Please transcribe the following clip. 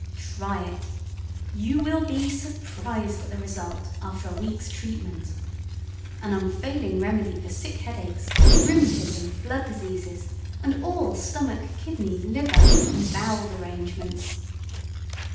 TRY IT. YOU WILL BE SURPRISED AT THE RESULT AFTER A WEEK'S TREATMENT. An unfailing Remedy for SICK HEADACHES, RHEUMATISM, BLOOD DISEASES, and all STOMACH, KIDNEY, LIVER and BOWEL DERANGEMENTS.